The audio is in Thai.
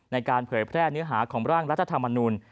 เผยแพร่เนื้อหาของร่างรัฐธรรมนุน